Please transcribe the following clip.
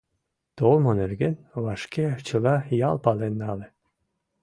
Толмо нерген вашке чыла ял пален нале.